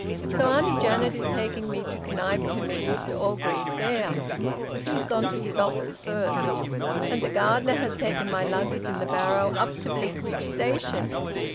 So Auntie Janet is taking me to Knype to meet Mr Orgreave there he's gone to his office first. And the gardener has taken my luggage in the barrow up to Bleakridge Station.